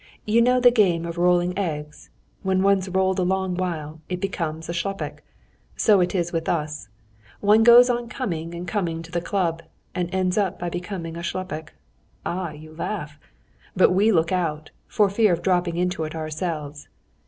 You know the game of rolling eggs: when one's rolled a long while it becomes a shlupik. So it is with us; one goes on coming and coming to the club, and ends by becoming a shlupik. Ah, you laugh! but we look out, for fear of dropping into it ourselves.